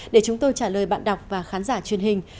để chúng tôi trả lời bạn đọc và khán giả truyền hình